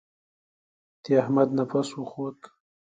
د احمد نفس وخوت.